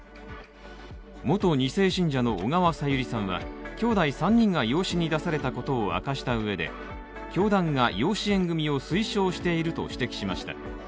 元２世信者の小川さゆりさんはきょうだい３人が養子に出されたことを明かしたうえで教団が養子縁組を推奨していると指摘しました。